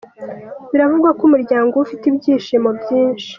Biravugwa ko umuryango we ufite "ibyishimo byinshi".